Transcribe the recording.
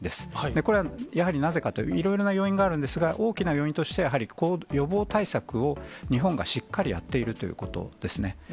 これは、やはりなぜかと、いろいろな要因があるんですが、大きな要因としては、やはり予防対策を日本がしっかりやっているということですね。